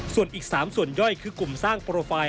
ส่วนอีก๓ส่วนย่อยคือกลุ่มสร้างโปรไฟล์